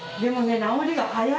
治りが早い！